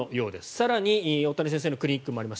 更に、大谷先生のクリニックがあります